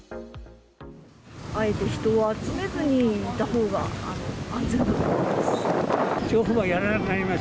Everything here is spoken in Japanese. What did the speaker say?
あえて人を集めずにいたほうが、安全だと思います。